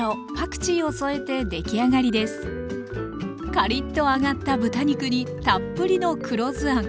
カリッと揚がった豚肉にたっぷりの黒酢あん。